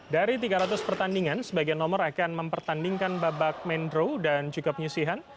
dari tiga ratus pertandingan sebagian nomor akan mempertandingkan babak main draw dan juga penyisihan